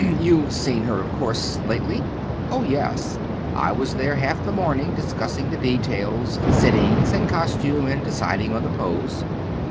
"You've seen her, of course, lately?" "Oh, yes. I was there half the morning discussing the details sittings and costume, and deciding on the pose."